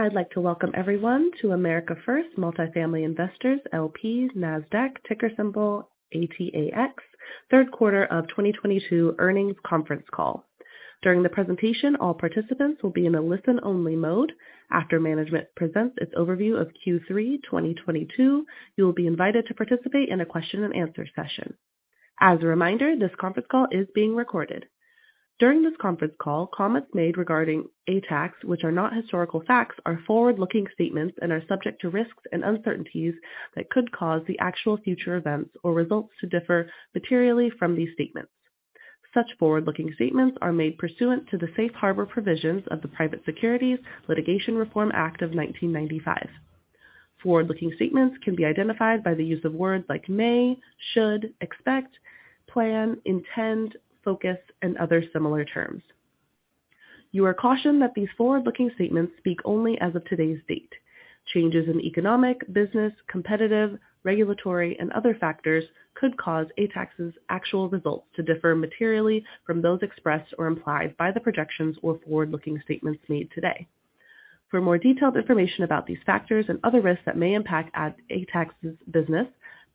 I'd like to welcome everyone to America First Multifamily Investors, L.P.'s Nasdaq ticker symbol ATAX 3rd quarter of 2022 earnings conference call. During the presentation, all participants will be in a listen-only mode. After management presents its overview of Q3 2022, you will be invited to participate in a question and answer session. As a reminder, this conference call is being recorded. During this conference call, comments made regarding ATAX, which are not historical facts, are forward-looking statements and are subject to risks and uncertainties that could cause the actual future events or results to differ materially from these statements. Such forward-looking statements are made pursuant to the Safe Harbor Provisions of the Private Securities Litigation Reform Act of 1995. Forward-looking statements can be identified by the use of words like may, should, expect, plan, intend, focus, and other similar terms. You are cautioned that these forward-looking statements speak only as of today's date. Changes in economic, business, competitive, regulatory, and other factors could cause ATAX's actual results to differ materially from those expressed or implied by the projections or forward-looking statements made today. For more detailed information about these factors and other risks that may impact ATAX's business,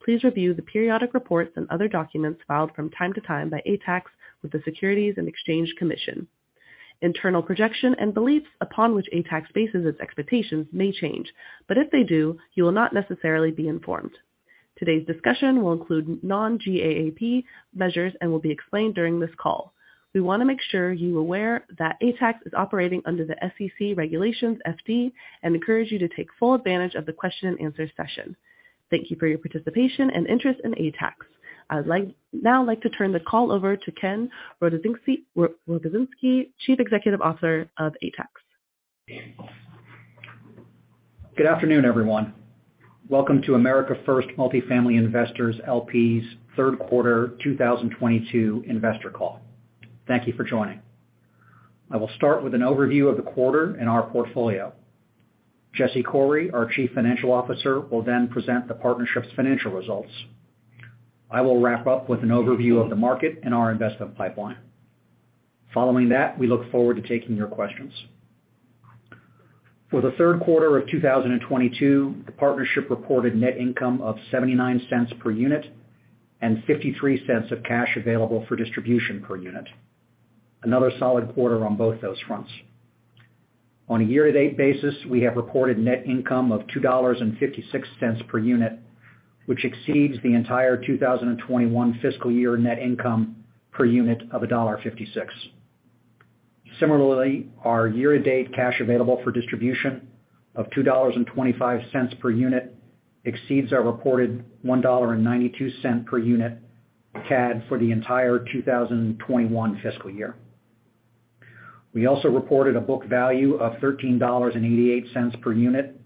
please review the periodic reports and other documents filed from time to time by ATAX with the Securities and Exchange Commission. Internal projection and beliefs upon which ATAX bases its expectations may change, but if they do, you will not necessarily be informed. Today's discussion will include non-GAAP measures and will be explained during this call. We want to make sure you are aware that ATAX is operating under the SEC Regulation FD and encourage you to take full advantage of the question and answer session. Thank you for your participation and interest in ATAX. Now like to turn the call over to Ken Rogozinski, Chief Executive Officer of ATAX. Good afternoon, everyone. Welcome to Greystone Housing Impact Investors LP's 3rd quarter 2022 investor call. Thank you for joining. I will start with an overview of the quarter in our portfolio. Jesse Coury, our Chief Financial Officer, will then present the partnership's financial results. I will wrap up with an overview of the market and our investment pipeline. Following that, we look forward to taking your questions. For the 3rd quarter of 2022, the partnership reported net income of $0.79 per unit and $0.53 of cash available for distribution per unit. Another solid quarter on both those fronts. On a year-to-date basis, we have reported net income of $2.56 per unit, which exceeds the entire 2021 fiscal year net income per unit of $1.56. Similarly, our year-to-date cash available for distribution of $2.25 per unit exceeds our reported $1.92 per unit CAD for the entire 2021 fiscal year. We also reported a book value of $13.88 per unit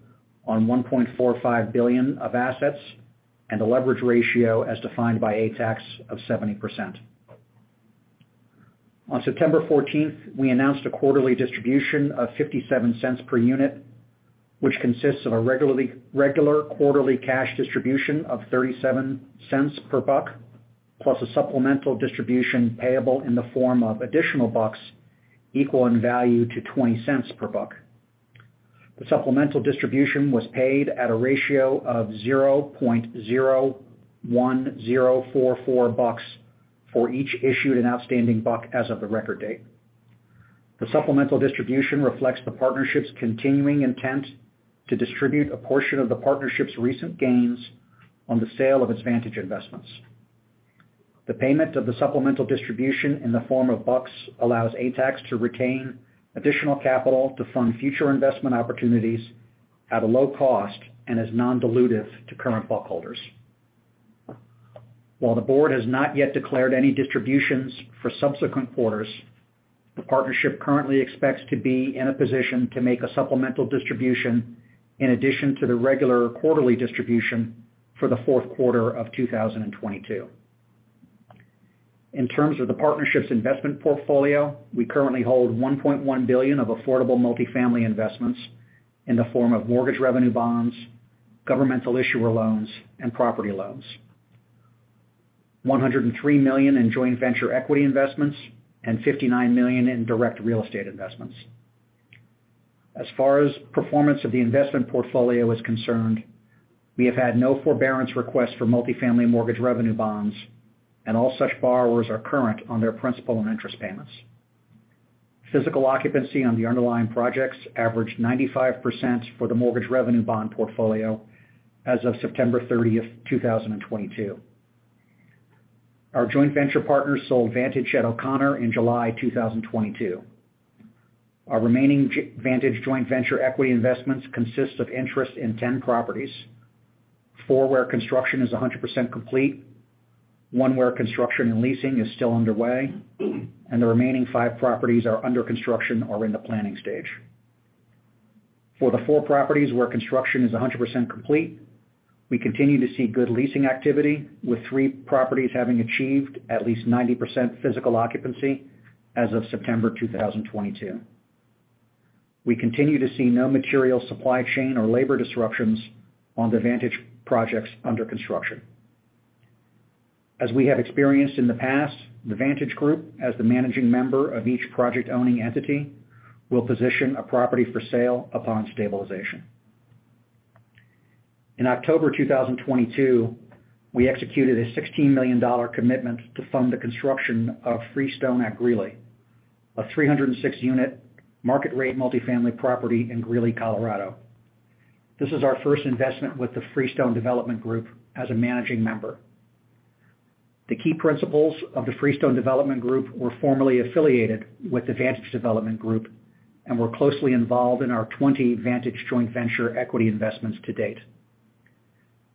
on $1.45 billion of assets and a leverage ratio as defined by ATAX of 70%. On September 14th, we announced a quarterly distribution of $0.57 per unit, which consists of a regular quarterly cash distribution of $0.37 per buck, plus a supplemental distribution payable in the form of additional BUCs equal in value to $0.20 per buck. The supplemental distribution was paid at a ratio of 0.01044 BUCs for each issued and outstanding buck as of the record date. The supplemental distribution reflects the partnership's continuing intent to distribute a portion of the partnership's recent gains on the sale of its Vantage investments. The payment of the supplemental distribution in the form of units allows ATAX to retain additional capital to fund future investment opportunities at a low cost and is non-dilutive to current unit holders. While the board has not yet declared any distributions for subsequent quarters, the partnership currently expects to be in a position to make a supplemental distribution in addition to the regular quarterly distribution for the 4th quarter of 2022. In terms of the partnership's investment portfolio, we currently hold $1.1 billion of affordable multifamily investments in the form of mortgage revenue bonds, governmental issuer loans, and property loans. $103 million in joint venture equity investments and $59 million in direct real estate investments. As far as performance of the investment portfolio is concerned, we have had no forbearance request for multifamily mortgage revenue bonds, and all such borrowers are current on their principal and interest payments. Physical occupancy on the underlying projects averaged 95% for the mortgage revenue bond portfolio as of September 30, 2022. Our joint venture partners sold Vantage at O'Connor in July 2022. Our remaining Vantage joint venture equity investments consist of interest in 10 properties, 4 where construction is 100% complete, 1 where construction and leasing is still underway, and the remaining 5 properties are under construction or in the planning stage. For the 4 properties where construction is 100% complete, we continue to see good leasing activity, with 3 properties having achieved at least 90% physical occupancy as of September 2022. We continue to see no material supply chain or labor disruptions on the Vantage projects under construction. As we have experienced in the past, the Vantage Group, as the managing member of each project-owning entity, will position a property for sale upon stabilization. In October 2022, we executed a $16 million commitment to fund the construction of Freestone at Greeley, a 306-unit market-rate multifamily property in Greeley, Colorado. This is our first investment with the Freestone Development Group as a managing member. The key principals of the Freestone Development Group were formerly affiliated with Vantage Development Group and were closely involved in our 20 Vantage joint venture equity investments to date.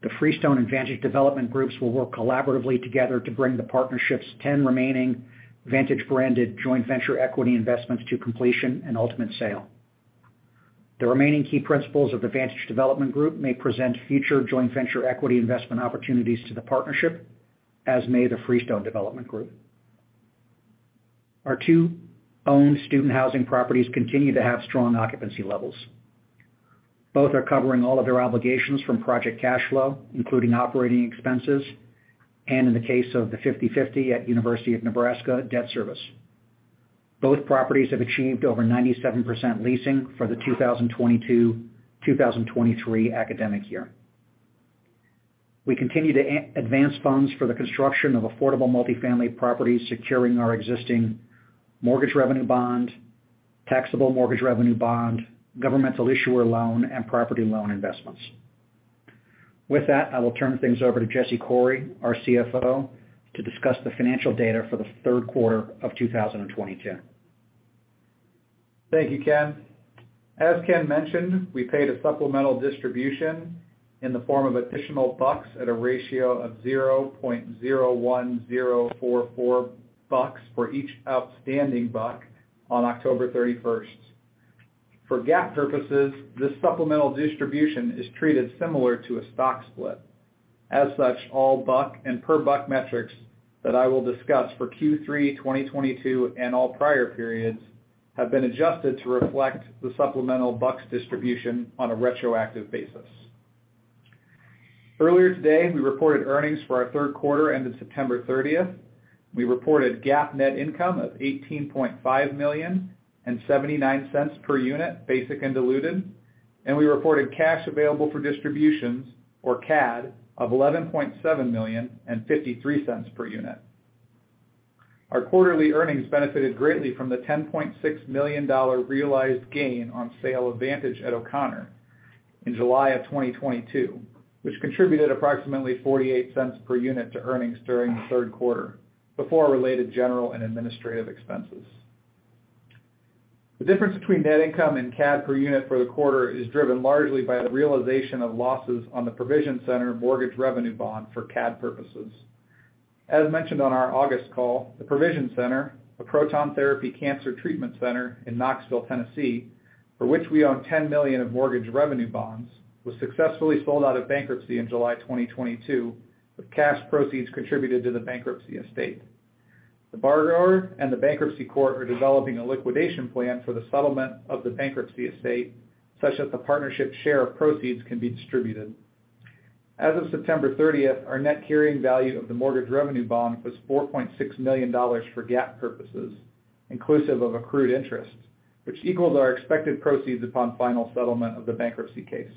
The Freestone and Vantage development groups will work collaboratively together to bring the partnerships 10 remaining Vantage-branded joint venture equity investments to completion and ultimate sale. The remaining key principals of the Vantage Development Group may present future joint venture equity investment opportunities to the partnership, as may the Freestone Development Group. Our two owned student housing properties continue to have strong occupancy levels. Both are covering all of their obligations from project cash flow, including operating expenses, and in the case of The 50/50 at University of Nebraska, debt service. Both properties have achieved over 97% leasing for the 2022-2023 academic year. We continue to advance funds for the construction of affordable multifamily properties, securing our existing mortgage revenue bond, taxable mortgage revenue bond, governmental issuer loan, and property loan investments. With that, I will turn things over to Jesse Coury, our CFO, to discuss the financial data for the 3rd quarter of 2022. Thank you, Ken. As Ken mentioned, we paid a supplemental distribution in the form of additional BUCs at a ratio of 0.01044 BUCs for each outstanding buck on October 31. For GAAP purposes, this supplemental distribution is treated similar to a stock split. As such, all buck and per buck metrics that I will discuss for Q3 2022 and all prior periods have been adjusted to reflect the supplemental BUCs distribution on a retroactive basis. Earlier today, we reported earnings for our 3rd quarter ended September 30. We reported GAAP net income of $18.5 million and $0.79 per unit, basic and diluted, and we reported cash available for distributions, or CAD, of $11.7 million and $0.53 per unit. Our quarterly earnings benefited greatly from the $10.6 million realized gain on sale of Vantage at O'Connor in July 2022, which contributed approximately $0.48 per unit to earnings during the 3rd quarter, before related general and administrative expenses. The difference between net income and CAD per unit for the quarter is driven largely by the realization of losses on the Provision Center mortgage revenue bond for CAD purposes. As mentioned on our August call, the Provision Center, a proton therapy cancer treatment center in Knoxville, Tennessee, for which we own $10 million of mortgage revenue bonds, was successfully sold out of bankruptcy in July 2022, with cash proceeds contributed to the bankruptcy estate. The borrower and the bankruptcy court are developing a liquidation plan for the settlement of the bankruptcy estate, such that the partnership share of proceeds can be distributed. As of September 30, our net carrying value of the mortgage revenue bond was $4.6 million for GAAP purposes, inclusive of accrued interest, which equals our expected proceeds upon final settlement of the bankruptcy case.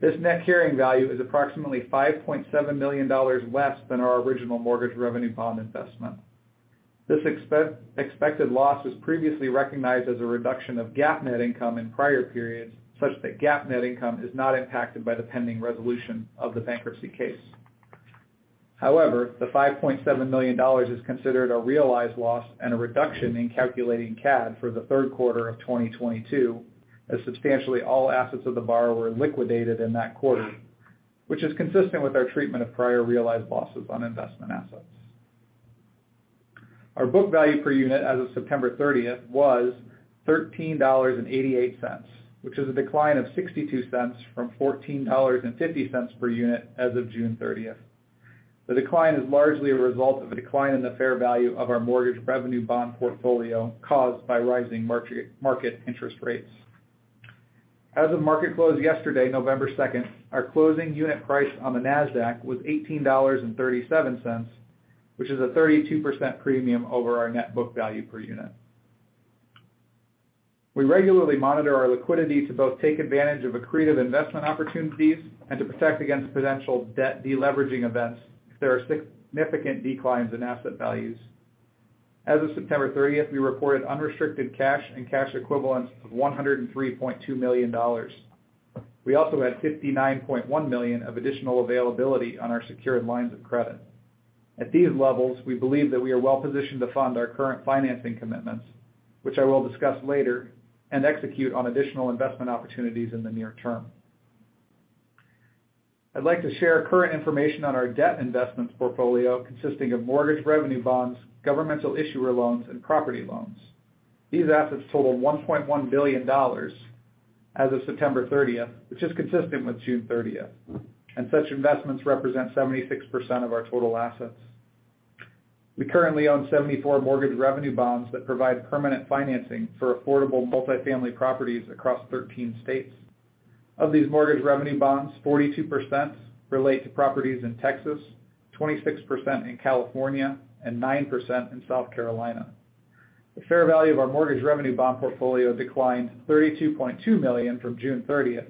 This net carrying value is approximately $5.7 million less than our original mortgage revenue bond investment. This expected loss was previously recognized as a reduction of GAAP net income in prior periods, such that GAAP net income is not impacted by the pending resolution of the bankruptcy case. However, the $5.7 million is considered a realized loss and a reduction in calculating CAD for the 3rd quarter of 2022, as substantially all assets of the borrower liquidated in that quarter, which is consistent with our treatment of prior realized losses on investment assets. Our book value per unit as of September 30th was $13.88, which is a decline of $0.62 from $14.50 per unit as of June 30th. The decline is largely a result of a decline in the fair value of our mortgage revenue bond portfolio caused by rising market interest rates. As of market close yesterday, November 2, our closing unit price on the Nasdaq was $18.37, which is a 32% premium over our net book value per unit. We regularly monitor our liquidity to both take advantage of accretive investment opportunities and to protect against potential debt deleveraging events if there are significant declines in asset values. As of September 30th, we reported unrestricted cash and cash equivalents of $103.2 million. We also had $59.1 million of additional availability on our secured lines of credit. At these levels, we believe that we are well-positioned to fund our current financing commitments, which I will discuss later, and execute on additional investment opportunities in the near term. I'd like to share current information on our debt investments portfolio, consisting of mortgage revenue bonds, governmental issuer loans, and property loans. These assets total $1.1 billion as of September 30, which is consistent with June 30, and such investments represent 76% of our total assets. We currently own 74 mortgage revenue bonds that provide permanent financing for affordable multifamily properties across 13 states. Of these mortgage revenue bonds, 42% relate to properties in Texas, 26% in California, and 9% in South Carolina. The fair value of our mortgage revenue bond portfolio declined $32.2 million from June 30,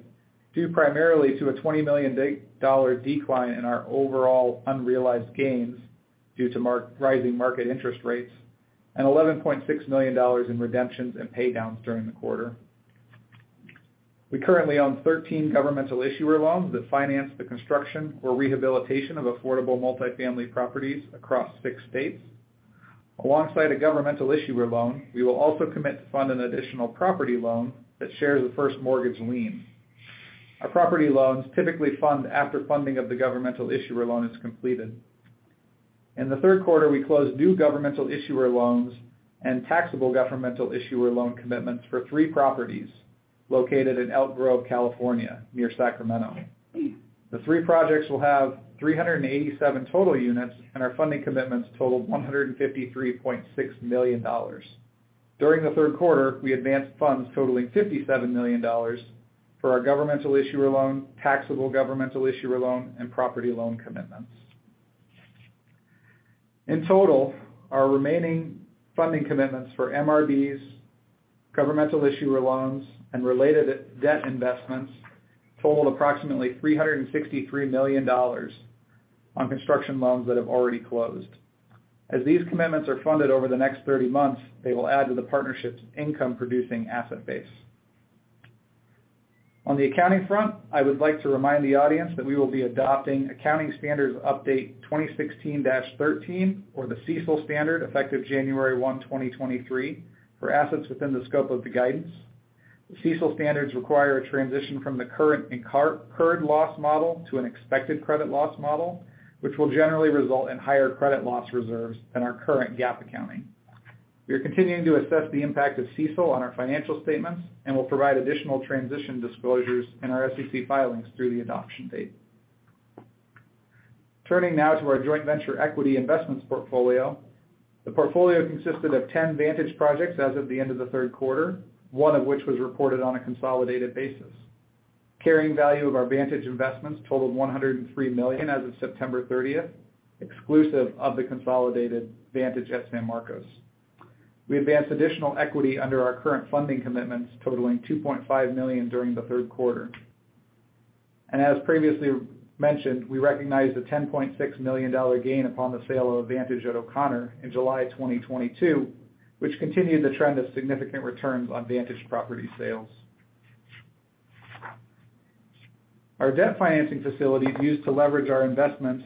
due primarily to a $20 million dollar decline in our overall unrealized gains due to rising market interest rates and $11.6 million in redemptions and pay downs during the quarter. We currently own 13 governmental issuer loans that finance the construction or rehabilitation of affordable multifamily properties across 6 states. Alongside a governmental issuer loan, we will also commit to fund an additional property loan that shares the first mortgage lien. Our property loans typically fund after funding of the governmental issuer loan is completed. In the 3rd quarter, we closed new governmental issuer loans and taxable governmental issuer loan commitments for 3 properties located in Elk Grove, California, near Sacramento. The 3 projects will have 387 total units, and our funding commitments totaled $153.6 million. During the 3rd quarter, we advanced funds totaling $57 million for our governmental issuer loan, taxable governmental issuer loan, and property loan commitments. In total, our remaining funding commitments for MRBs, governmental issuer loans, and related equity and debt investments totaled approximately $363 million on construction loans that have already closed. As these commitments are funded over the next 30 months, they will add to the partnership's income-producing asset base. On the accounting front, I would like to remind the audience that we will be adopting Accounting Standards Update 2016-13, or the CECL standard, effective January 1, 2023, for assets within the scope of the guidance. The CECL standards require a transition from the current incurred credit loss model to an expected credit loss model, which will generally result in higher credit loss reserves than our current GAAP accounting. We are continuing to assess the impact of CECL on our financial statements and will provide additional transition disclosures in our SEC filings through the adoption date. Turning now to our joint venture equity investments portfolio. The portfolio consisted of 10 Vantage projects as of the end of the 3rd quarter, one of which was reported on a consolidated basis. Carrying value of our Vantage investments totaled $103 million as of September 30, exclusive of the consolidated Vantage at San Marcos. We advanced additional equity under our current funding commitments totaling $2.5 million during the 3rd quarter. As previously mentioned, we recognized a $10.6 million gain upon the sale of Vantage at O'Connor in July 2022, which continued the trend of significant returns on Vantage property sales. Our debt financing facilities used to leverage our investments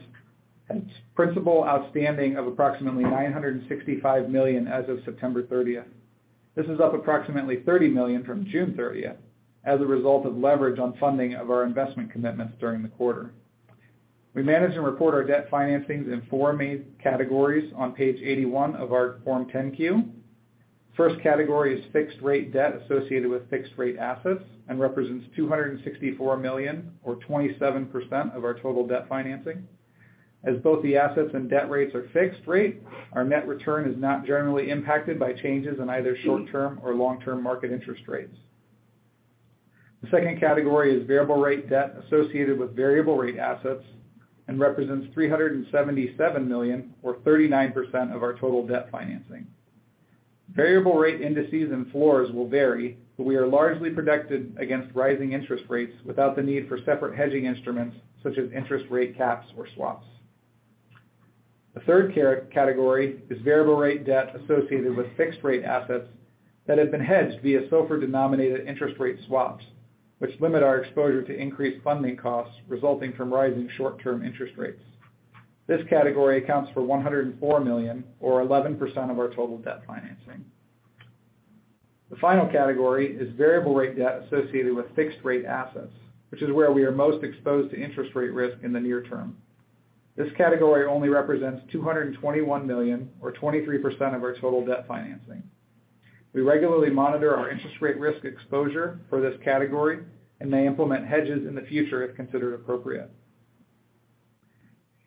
had its principal outstanding of approximately $965 million as of September 30th. This is up approximately $30 million from June 30th as a result of leverage on funding of our investment commitments during the quarter. We manage and report our debt financings in four main categories on Page 81 of our Form 10-Q. First category is fixed rate debt associated with fixed rate assets and represents $264 million or 27% of our total debt financing. As both the assets and debt rates are fixed rate, our net return is not generally impacted by changes in either short-term or long-term market interest rates. The second category is variable rate debt associated with variable rate assets and represents $377 million or 39% of our total debt financing. Variable rate indices and floors will vary, but we are largely protected against rising interest rates without the need for separate hedging instruments such as interest rate caps or swaps. The 3rd category is variable rate debt associated with fixed rate assets that have been hedged via SOFR-denominated interest rate swaps, which limit our exposure to increased funding costs resulting from rising short-term interest rates. This category accounts for $104 million or 11% of our total debt financing. The final category is variable rate debt associated with fixed rate assets, which is where we are most exposed to interest rate risk in the near term. This category only represents $221 million or 23% of our total debt financing. We regularly monitor our interest rate risk exposure for this category and may implement hedges in the future if considered appropriate.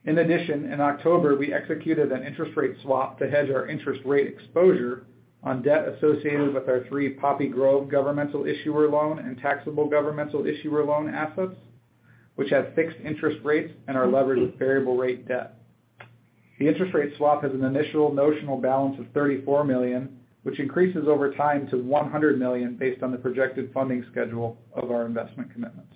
In addition, in October, we executed an interest rate swap to hedge our interest rate exposure on debt associated with our three Poppy Grove governmental issuer loan and taxable governmental issuer loan assets, which have fixed interest rates and are leveraged with variable rate debt. The interest rate swap has an initial notional balance of $34 million, which increases over time to $100 million based on the projected funding schedule of our investment commitments.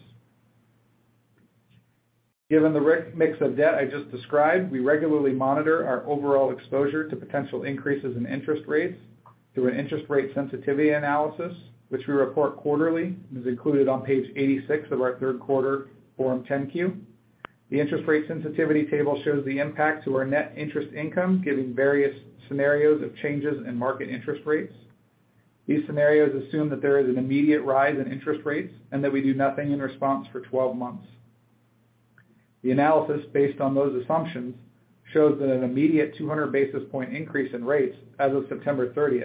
Given the mix of debt I just described, we regularly monitor our overall exposure to potential increases in interest rates through an interest rate sensitivity analysis, which we report quarterly and is included on page 86 of our 3rd quarter Form 10-Q. The interest rate sensitivity table shows the impact to our net interest income given various scenarios of changes in market interest rates. These scenarios assume that there is an immediate rise in interest rates and that we do nothing in response for 12 months. The analysis based on those assumptions shows that an immediate 200 basis point increase in rates as of September 30.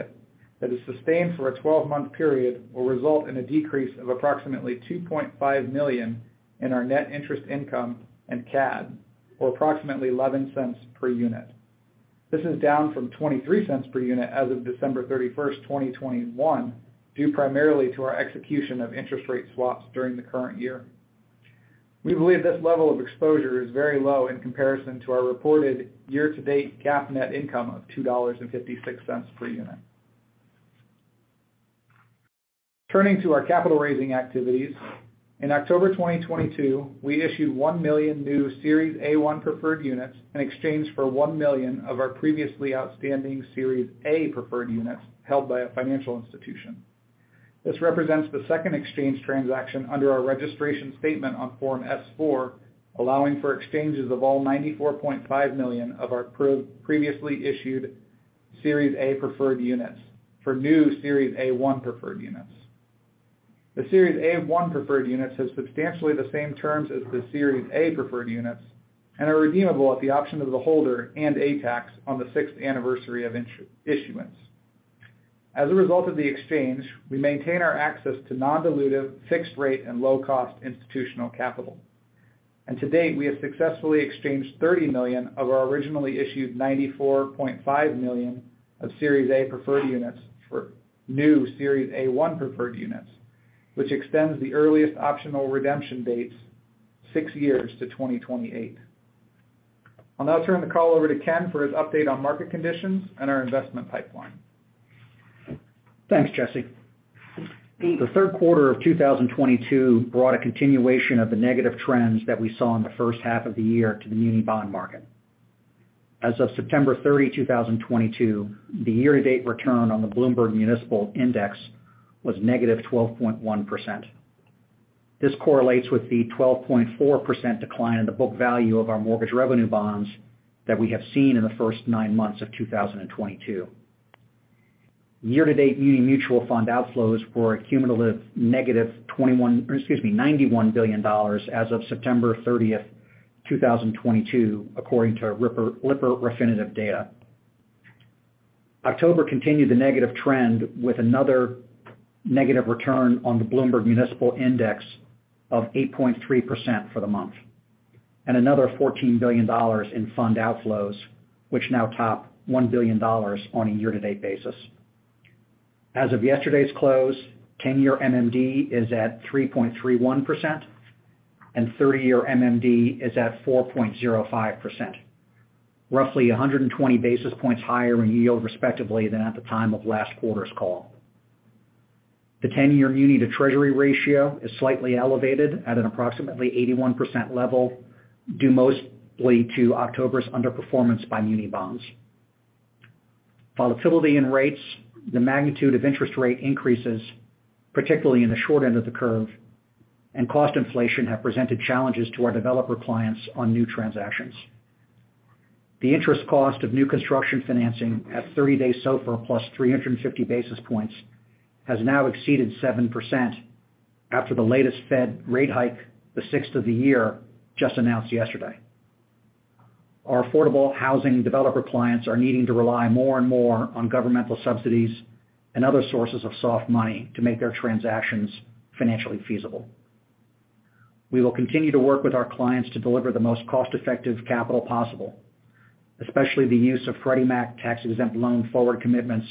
That is sustained for a 12-month period will result in a decrease of approximately $2.5 million in our net interest income and CAD, or approximately $0.11 per unit. This is down from 23 cents per unit as of December 31, 2021, due primarily to our execution of interest rate swaps during the current year. We believe this level of exposure is very low in comparison to our reported year-to-date GAAP net income of $2.56 per unit. Turning to our capital raising activities. In October 2022, we issued 1 million new Series A-1 preferred units in exchange for 1 million of our previously outstanding Series A preferred units held by a financial institution. This represents the second exchange transaction under our registration statement on Form S-4, allowing for exchanges of all 94.5 million of our previously issued Series A preferred units for new Series A-1 preferred units. The Series A-1 preferred units has substantially the same terms as the Series A preferred units and are redeemable at the option of the holder and ATAX on the sixth anniversary of issuance. As a result of the exchange, we maintain our access to non-dilutive fixed rate and low cost institutional capital. To date, we have successfully exchanged 30 million of our originally issued 94.5 million of Series A preferred units for new Series A-1 preferred units, which extends the earliest optional redemption dates 6 years to 2028. I'll now turn the call over to Ken for his update on market conditions and our investment pipeline. Thanks, Jesse. The 3rd quarter of 2022 brought a continuation of the negative trends that we saw in the first half of the year to the muni bond market. As of September 30, 2022, the year-to-date return on the Bloomberg Municipal Bond Index was -12.1%. This correlates with the 12.4% decline in the book value of our mortgage revenue bonds that we have seen in the first nine months of 2022. Year-to-date muni mutual fund outflows were a cumulative negative $91 billion as of September 30, 2022, according to Refinitiv Lipper data. October continued the negative trend with another negative return on the Bloomberg Municipal Index of 8.3% for the month, and another $14 billion in fund outflows, which now top $1 billion on a year-to-date basis. As of yesterday's close, 10-year MMD is at 3.31%, and 30-year MMD is at 4.05%, roughly 120 basis points higher in yield respectively than at the time of last quarter's call. The 10-year muni-to-Treasury ratio is slightly elevated at an approximately 81% level, due mostly to October's underperformance by muni bonds. Volatility in rates, the magnitude of interest rate increases, particularly in the short end of the curve, and cost inflation have presented challenges to our developer clients on new transactions. The interest cost of new construction financing at 30-day SOFR plus 350 basis points has now exceeded 7% after the latest Fed rate hike, the 6th of the year, just announced yesterday. Our affordable housing developer clients are needing to rely more and more on governmental subsidies and other sources of soft money to make their transactions financially feasible. We will continue to work with our clients to deliver the most cost-effective capital possible, especially the use of Freddie Mac tax-exempt loan forward commitments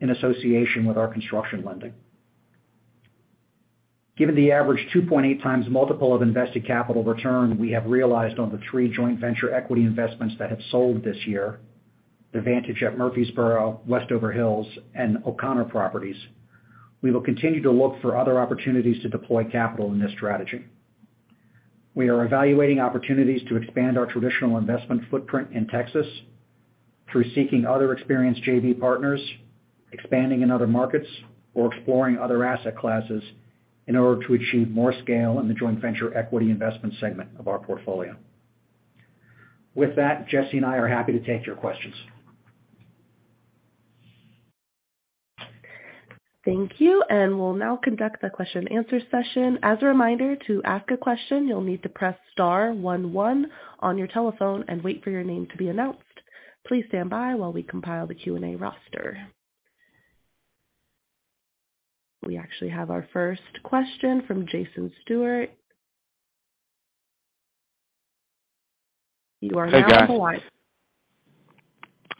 in association with our construction lending. Given the average 2.8x multiple of invested capital return we have realized on the 3 joint venture equity investments that have sold this year, the Vantage at Murfreesboro, Westover Hills, and Vantage at O'Connor, we will continue to look for other opportunities to deploy capital in this strategy. We are evaluating opportunities to expand our traditional investment footprint in Texas through seeking other experienced JV partners, expanding in other markets or exploring other asset classes in order to achieve more scale in the joint venture equity investment segment of our portfolio. With that, Jesse and I are happy to take your questions. Thank you. We'll now conduct the question and answer session. As a reminder, to ask a question, you'll need to press *11 on your telephone and wait for your name to be announced. Please stand by while we compile the Q&A roster. We actually have our first question from Jason Stewart. You are now unmuted.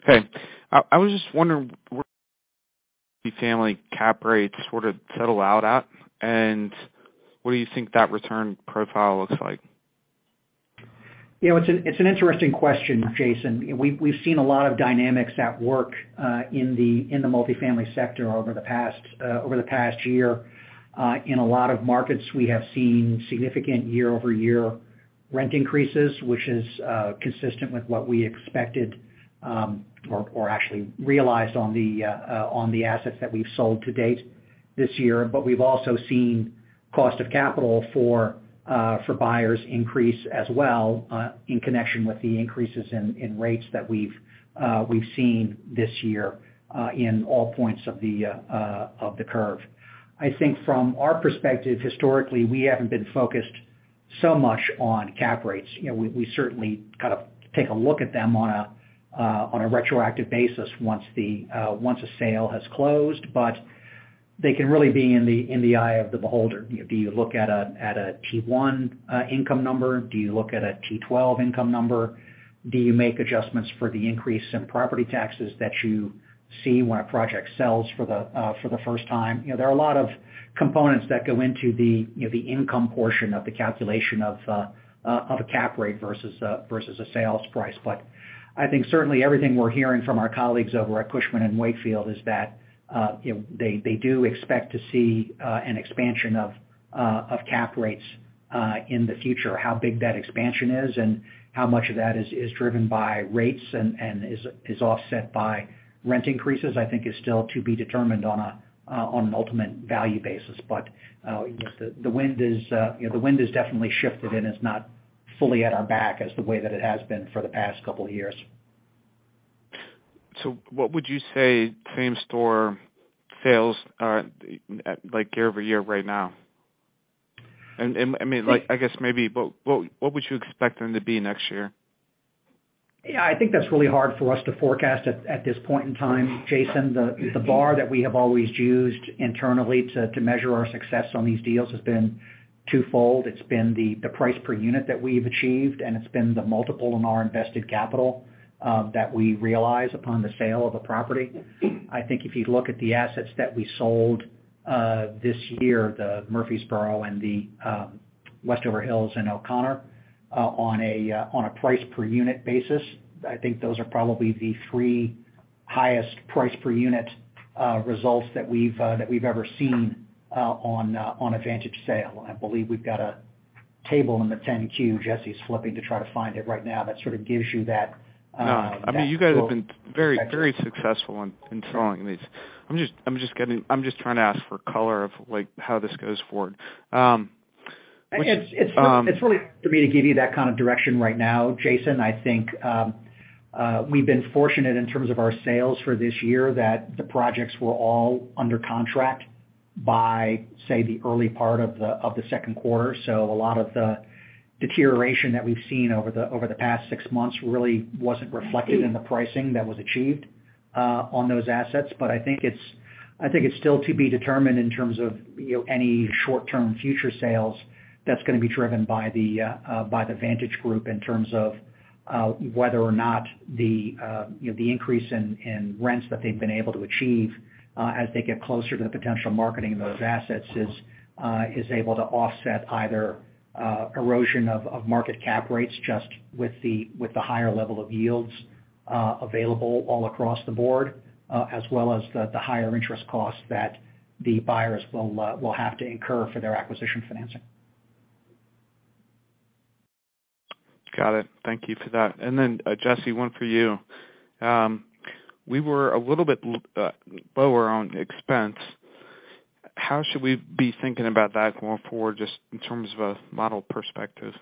Hey, guys. Hey. I was just wondering where the multifamily cap rates sort of settle out at, and what do you think that return profile looks like? You know, it's an interesting question, Jason. We've seen a lot of dynamics at work in the multifamily sector over the past year. In a lot of markets, we have seen significant year-over-year rent increases, which is consistent with what we expected or actually realized on the assets that we've sold to date this year. We've also seen cost of capital for buyers increase as well in connection with the increases in rates that we've seen this year in all points of the curve. I think from our perspective, historically, we haven't been focused so much on cap rates. You know, we certainly kind of take a look at them on a retroactive basis once a sale has closed, but they can really be in the eye of the beholder. You know, do you look at a T-1 income number? Do you look at a T-12 income number? Do you make adjustments for the increase in property taxes that you see when a project sells for the first time? You know, there are a lot of components that go into the income portion of the calculation of a cap rate versus a sales price. I think certainly everything we're hearing from our colleagues over at Cushman & Wakefield is that, you know, they do expect to see an expansion of cap rates in the future. How big that expansion is and how much of that is driven by rates and is offset by rent increases, I think is still to be determined on an ultimate value basis. The wind has definitely shifted, and it's not fully at our back as the way that it has been for the past couple years. What would you say same store sales are at, like, year over year right now? I mean, like, I guess maybe what would you expect them to be next year? Yeah, I think that's really hard for us to forecast at this point in time, Jason. The bar that we have always used internally to measure our success on these deals has been twofold. It's been the price per unit that we've achieved, and it's been the multiple on our invested capital that we realize upon the sale of a property. I think if you look at the assets that we sold this year, the Murfreesboro and the Westover Hills and O'Connor, on a price per unit basis, I think those are probably the three highest price per unit results that we've ever seen on a Vantage sale. I believe we've got a table in the 10-Q. Jesse's flipping to try to find it right now, that sort of gives you that visual. No, I mean, you guys have been very, very successful in selling these. I'm just trying to ask for color on, like, how this goes forward. It's really hard for me to give you that kind of direction right now, Jason. I think we've been fortunate in terms of our sales for this year that the projects were all under contract by, say, the early part of the 2nd quarter. A lot of the deterioration that we've seen over the past 6 months really wasn't reflected in the pricing that was achieved on those assets. I think it's still to be determined in terms of, you know, any short-term future sales that's gonna be driven by the Vantage Group in terms of whether or not the, you know, the increase in rents that they've been able to achieve as they get closer to the potential marketing of those assets is able to offset either erosion of market cap rates just with the higher level of yields available all across the board as well as the higher interest costs that the buyers will have to incur for their acquisition financing. Got it. Thank you for that. Jesse, one for you. We were a little bit lower on expense. How should we be thinking about that going forward just in terms of a model perspective?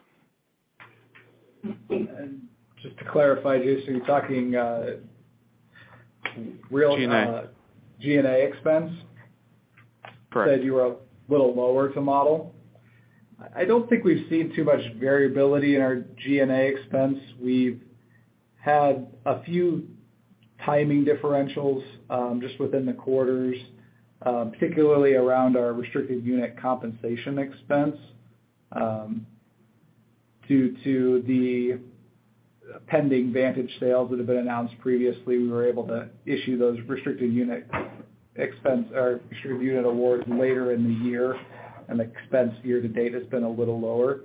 Just to clarify, Jason, you're talking real- G&A. G&A expense? Correct. You said you were a little lower to model. I don't think we've seen too much variability in our G&A expense. We've had a few timing differentials, just within the quarters, particularly around our restricted unit compensation expense, due to the pending Vantage sales that have been announced previously. We were able to issue those restricted unit expense or restricted unit awards later in the year, and expense year to date has been a little lower.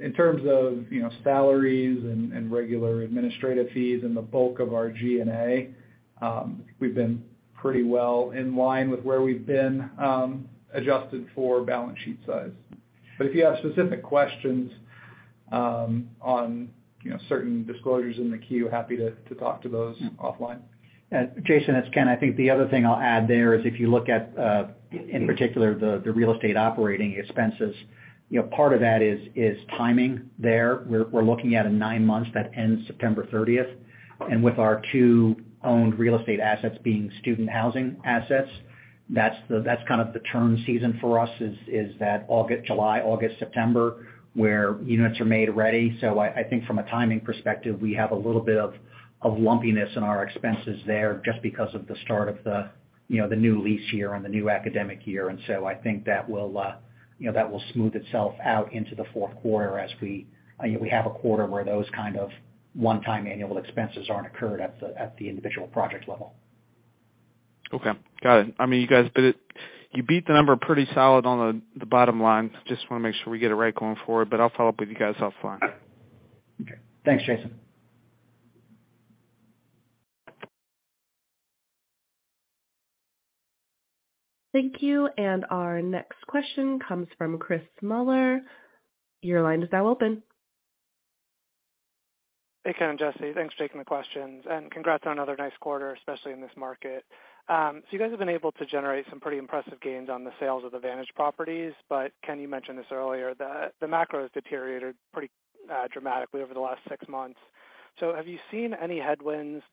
In terms of, you know, salaries and regular administrative fees and the bulk of our G&A, we've been pretty well in line with where we've been, adjusted for balance sheet size. If you have specific questions, on, you know, certain disclosures in the Q, happy to talk to those offline. Jason, it's Ken. I think the other thing I'll add there is if you look at, in particular, the real estate operating expenses, you know, part of that is timing there. We're looking at a nine months that ends September thirtieth. With our two owned real estate assets being student housing assets, that's kind of the turn season for us is that July, August, September, where units are made ready. I think from a timing perspective, we have a little bit of lumpiness in our expenses there just because of the start of, you know, the new lease year and the new academic year. I think that will, you know, smooth itself out into the fourth quarter as we, you know, have a quarter where those kind of one-time annual expenses aren't occurred at the individual project level. Okay. Got it. I mean, you guys did it. You beat the number pretty solid on the bottom line. Just wanna make sure we get it right going forward, but I'll follow up with you guys offline. Okay. Thanks, Jason. Thank you. Our next question comes from Chris Muller. Your line is now open. Hey, Ken and Jesse. Thanks for taking the questions. Congrats on another nice quarter, especially in this market. You guys have been able to generate some pretty impressive gains on the sales of the Vantage properties. Ken, you mentioned this earlier, that the macro has deteriorated pretty dramatically over the last six months. Have you seen any headwinds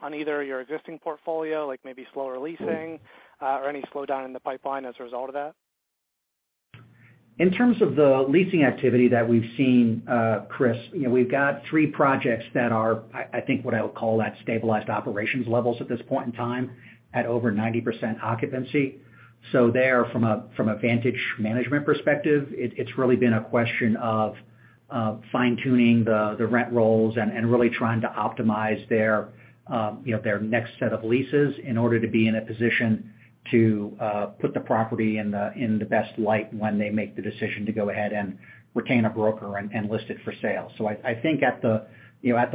on either your existing portfolio, like maybe slower leasing, or any slowdown in the pipeline as a result of that? In terms of the leasing activity that we've seen, Chris, you know, we've got three projects that are, I think what I would call at stabilized operations levels at this point in time at over 90% occupancy. From a Vantage management perspective, it's really been a question of fine-tuning the rent rolls and really trying to optimize their, you know, their next set of leases in order to be in a position to put the property in the best light when they make the decision to go ahead and retain a broker and list it for sale. I think at the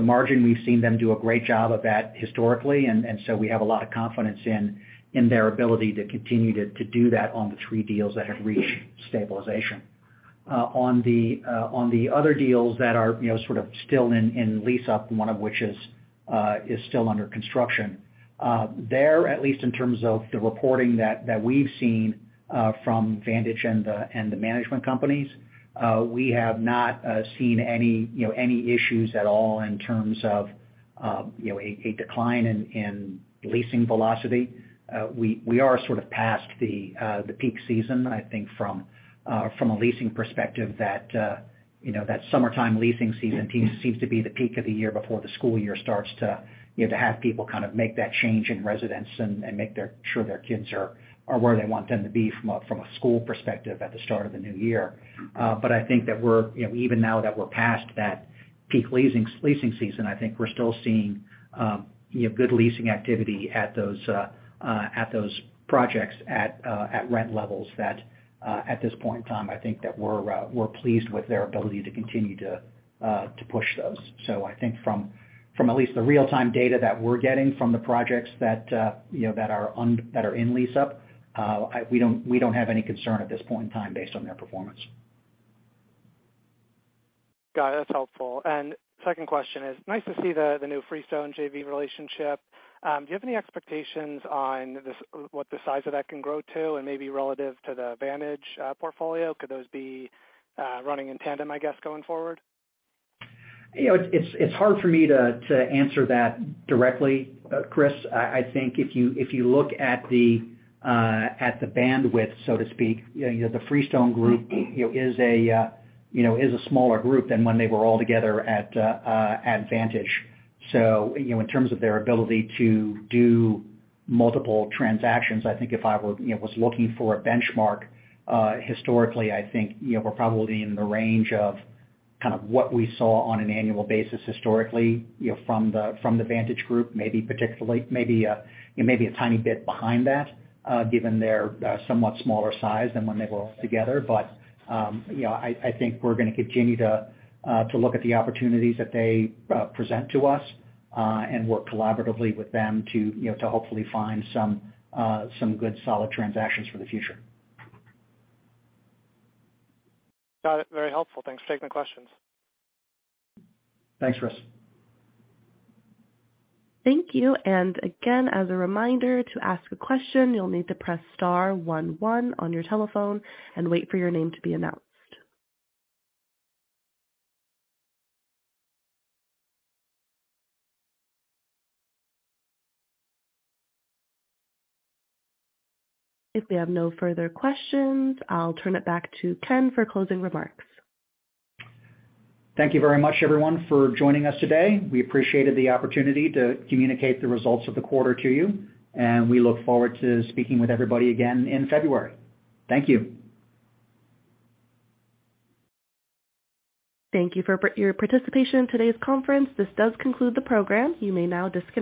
margin, you know, we've seen them do a great job of that historically, and so we have a lot of confidence in their ability to continue to do that on the three deals that have reached stabilization. On the other deals that are, you know, sort of still in lease up, and one of which is still under construction, at least in terms of the reporting that we've seen from Vantage and the management companies, we have not seen any, you know, any issues at all in terms of, you know, a decline in leasing velocity. We are sort of past the peak season. I think from a leasing perspective that you know that summertime leasing season seems to be the peak of the year before the school year starts to you know to have people kind of make that change in residence and make sure their kids are where they want them to be from a school perspective at the start of the new year. I think that we're you know even now that we're past that peak leasing season. I think we're still seeing you know good leasing activity at those projects at rent levels that at this point in time I think that we're pleased with their ability to continue to push those. I think from at least the real-time data that we're getting from the projects that, you know, that are in lease up, we don't have any concern at this point in time based on their performance. Got it. That's helpful. 2nd question is, nice to see the new Freestone JV relationship. Do you have any expectations on this, what the size of that can grow to and maybe relative to the Vantage portfolio? Could those be running in tandem, I guess, going forward? You know, it's hard for me to answer that directly, Chris. I think if you look at the bandwidth, so to speak, you know, the Freestone Group is a smaller group than when they were all together at Vantage. You know, in terms of their ability to do multiple transactions, I think if I was looking for a benchmark, historically, I think we're probably in the range of kind of what we saw on an annual basis historically, you know, from the Vantage Group, maybe particularly, maybe a tiny bit behind that, given their somewhat smaller size than when they were all together. you know, I think we're gonna continue to look at the opportunities that they present to us, and work collaboratively with them to, you know, to hopefully find some good, solid transactions for the future. Got it. Very helpful. Thanks for taking the questions. Thanks, Chris. Thank you. Again, as a reminder, to ask a question, you'll need to press star one one on your telephone and wait for your name to be announced. If we have no further questions, I'll turn it back to Ken for closing remarks. Thank you very much, everyone, for joining us today. We appreciated the opportunity to communicate the results of the quarter to you, and we look forward to speaking with everybody again in February. Thank you. Thank you for your participation in today's conference. This does conclude the program. You may now disconnect.